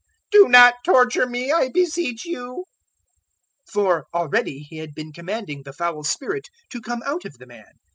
Do not torture me, I beseech you." 008:029 For already He had been commanding the foul spirit to come out of the man.